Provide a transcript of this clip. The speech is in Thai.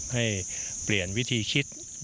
ให้เปลี่ยนวิธีคิด